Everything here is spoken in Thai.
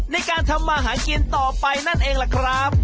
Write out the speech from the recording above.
ในการทำมาหากินต่อไปนั่นเองล่ะครับ